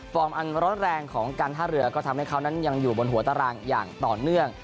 อันร้อนแรงของการท่าเรือก็ทำให้เขานั้นยังอยู่บนหัวตารางอย่างต่อเนื่อง